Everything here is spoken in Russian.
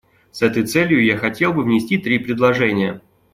С этой целью я хотел бы внести три предложения.